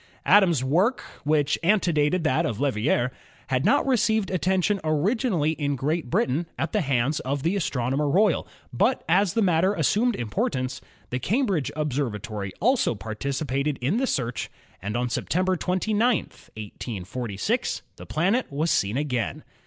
Adams' work, which antedated that of Leverrier, had not received attention originally in Great Britain at the hands of the Astronomer Royal, but as the matter as sumed importance the Cambridge Observatory also par ticipated in the search and on September 29, 1846, the planet was seen again.